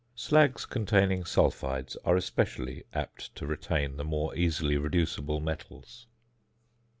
Slags containing sulphides are especially apt to retain the more easily reducible metals.